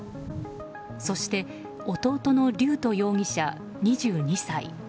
そして弟の龍斗容疑者、２２歳。